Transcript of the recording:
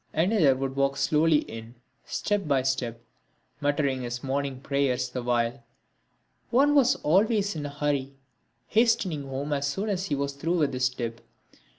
Another would walk slowly in, step by step, muttering his morning prayers the while. One was always in a hurry, hastening home as soon as he was through with his dip.